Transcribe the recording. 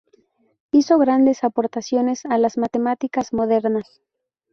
Hizo grandes aportaciones a las matemáticas modernas.